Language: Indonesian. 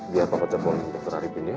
biar pak pajabon dokter haripin ya